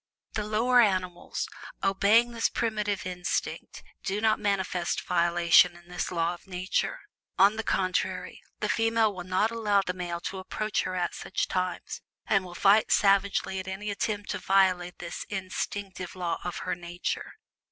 The lower animals, obeying this primitive instinct, do not manifest violation of this law of Nature. On the contrary, the female will not allow the male to approach her at such times, and will fight savagely at any attempt to violate this instinctive law of her nature.